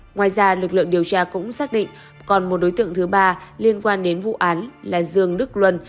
ngoài ra lực lượng điều tra cũng xác định còn một đối tượng thứ ba liên quan đến vụ án là dương đức luân